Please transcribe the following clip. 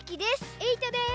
えいとです。